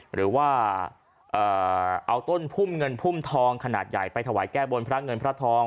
หรือว่าเอาต้นพุ่มเงินพุ่มทองขนาดใหญ่ไปถวายแก้บนพระเงินพระทอง